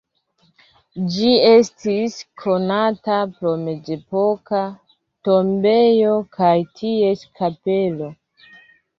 Ĝi estis konata pro mezepoka tombejo kaj ties kapelo.